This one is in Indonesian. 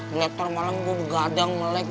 liat taruh malam gue begadang melek